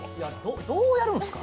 どうやるんですか？